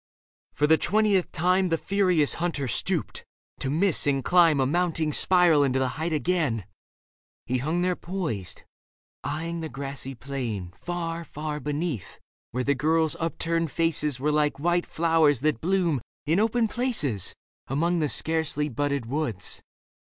For the twentieth time The furious hunter stooped, to miss and climb A mounting spiral into the height again. He hung there poised, eyeing the grassy plain Far, far beneath, where the girls' upturned faces Were like white flowers that bloom in open places Among the scarcely budded woods.